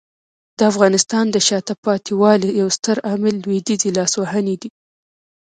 د افغانستان د شاته پاتې والي یو ستر عامل لویدیځي لاسوهنې دي.